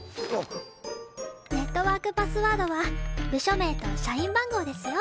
ネットワークパスワードは部署名と社員番号ですよ。